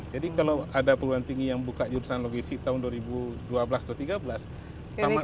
jadi kalau ada peruan tinggi yang buka jurusan logistik tahun dua ribu dua belas atau dua ribu tiga belas